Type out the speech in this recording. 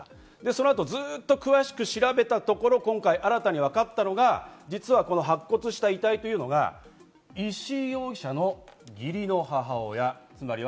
そのあとずっと詳しく調べたところ、今回新たに分かったのが実は白骨化した遺体が石井容疑者の義理の母親。